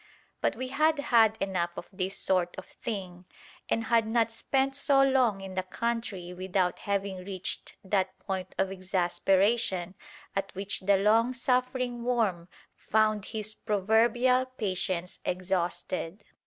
But we had had enough of this sort of thing, and had not spent so long in the country without having reached that point of exasperation at which the long suffering worm found his proverbial patience exhausted.